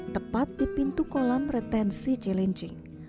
tepat di pintu kolam retensi cilincing